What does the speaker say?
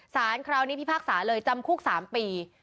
สารคราวนี้พิพากษาเลยจำคุก๓ปี